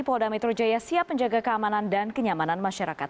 polda metro jaya siap menjaga keamanan dan kenyamanan masyarakat